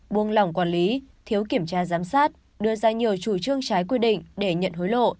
buông lỏng quản lý thiếu kiểm tra giám sát đưa ra nhiều chủ trương trái quy định để nhận hối lộ